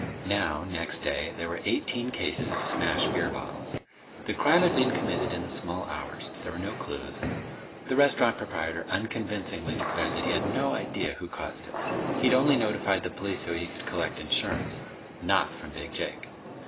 Now, next day, there were eighteen cases of smashed beer bottles. The crime had been committed in the small hours. There were no clues. The restaurant proprietor unconvincingly declared that he had no idea who'd caused it. But he'd only notified the police so he could collect insurance not from Big Jake.